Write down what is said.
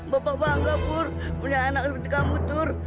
bapak bangga bur punya anak seperti kamu tur